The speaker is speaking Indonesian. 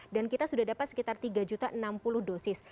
dan kita sudah dapat sekitar tiga enam puluh dosis